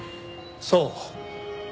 そう。